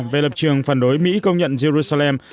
về lập trường phản đối mỹ công nhận jerusalem